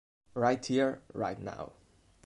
Right Here, Right Now